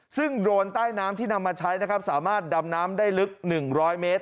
ซึ่งโดรนใต้น้ำที่นำมาใช้นะครับสามารถดำน้ำได้ลึก๑๐๐เมตร